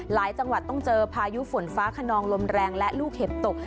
จังหวัดต้องเจอพายุฝนฟ้าขนองลมแรงและลูกเห็บตก